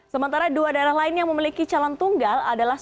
sementara dua daerah lain yang memiliki calon tunggal adalah